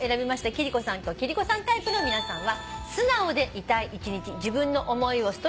貴理子さんと貴理子さんタイプの皆さんは。